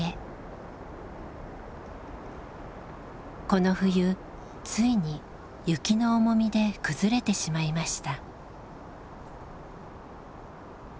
この冬ついに雪の重みで崩れてしまいました。